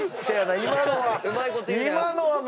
今のは。